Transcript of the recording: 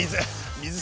水？